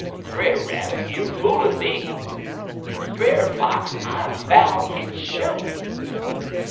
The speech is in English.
_' "'Brer Rabbit, you foolin' me!' "'Brer Fox, _I vow hit's shote!